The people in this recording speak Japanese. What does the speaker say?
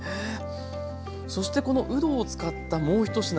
そしてこのうどを使ったもう一品